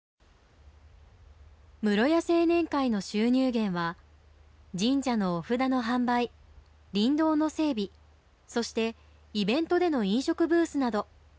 室谷青年会の収入源は神社のお札の販売林道の整備そしてイベントでの飲食ブースなど。